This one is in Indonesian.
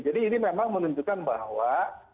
jadi ini memang menunjukkan bahwa